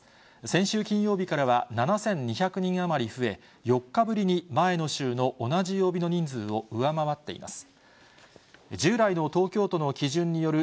先週金曜日から７２００人余り増え、４日ぶりに前の週の同じ曜日の人数を上回っています。